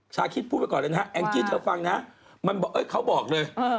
ชาคิดพูดไว้ก่อนเลยนะฮะแองจี้เธอฟังนะมันบอกเขาบอกเลย